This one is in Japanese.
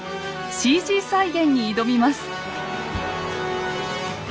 ＣＧ再現に挑みます。